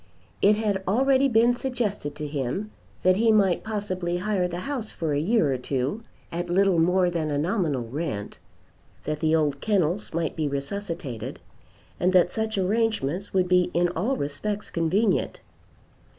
It had already been suggested to him that he might possibly hire the house for a year or two at little more than a nominal rent, that the old kennels might be resuscitated, and that such arrangements would be in all respects convenient.